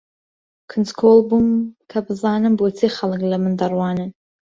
کونجکۆڵ بووم کە بزانم بۆچی خەڵک لە من دەڕوانن.